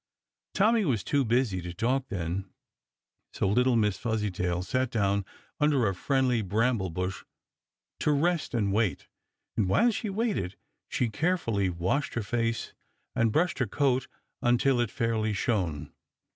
Tommy was too busy to talk then, so little Miss Fuzzytail sat down under a friendly bramble bush to rest and wait, and while she waited, she carefully washed her face and brushed her coat until it fairly shone.